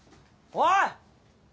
おい！